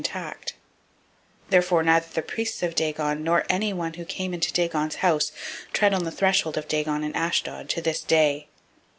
005:005 Therefore neither the priests of Dagon, nor any who come into Dagon's house, tread on the threshold of Dagon in Ashdod, to this day.